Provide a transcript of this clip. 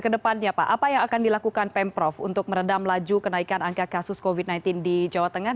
kedepannya pak apa yang akan dilakukan pemprov untuk meredam laju kenaikan angka kasus covid sembilan belas di jawa tengah